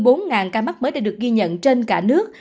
trong bốn ca mắc mới đã được ghi nhận trên cả nước